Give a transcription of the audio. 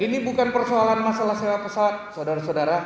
ini bukan persoalan masalah sewa pesawat saudara saudara